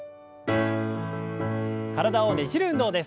体をねじる運動です。